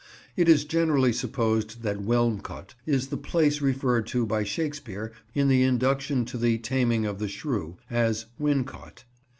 It is generally supposed that Wilmcote is the place referred to by Shakespeare in the induction to the Taming of the Shrew as "Wincot."